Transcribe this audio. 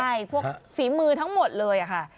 ใช่พวกฝีมือทั้งหมดเลยค่ะ